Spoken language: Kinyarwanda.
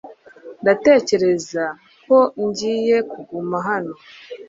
Ndatekereza ko ngiye kuguma hano .